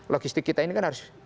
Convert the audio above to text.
logistik kita ini kan harus